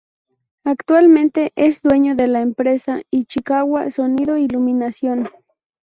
Actualmente es dueño de la empresa Ichikawa Sonido Iluminación.